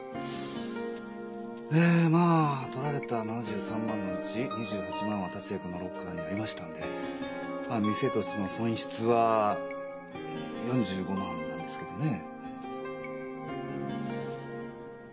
えまあ盗られた７３万のうち２８万は達也君のロッカーにありましたんでまあ店としての損失は４５万なんですけどね。